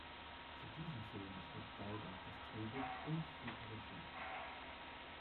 Zu diesem Film schrieb Dai auch das Drehbuch und führte Regie.